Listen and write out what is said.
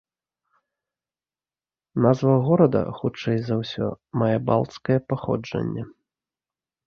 Назва горада хутчэй за ўсё мае балцкае паходжанне.